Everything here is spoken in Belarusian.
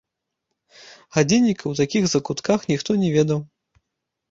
Гадзінніка ў такіх закутках ніхто не ведаў.